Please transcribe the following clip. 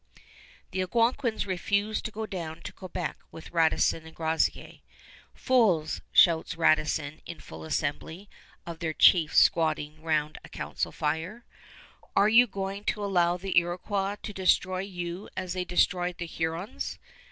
The Algonquins refuse to go down to Quebec with Radisson and Groseillers. "Fools," shouts Radisson in full assembly of their chiefs squatting round a council fire, "are you going to allow the Iroquois to destroy you as they destroyed the Hurons?